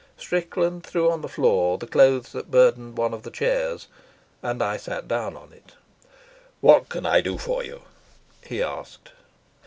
Strickland threw on the floor the clothes that burdened one of the chairs, and I sat down on it. "What can I do for you?" he asked.